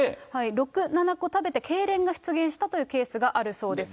６、７個食べて、けいれんが出現したというケースがあるそうです。